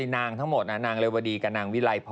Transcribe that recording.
ก็เหมือนนางเรวดีกับนางวิไรพร